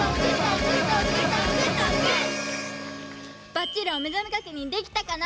ばっちりおめざめ確認できたかな？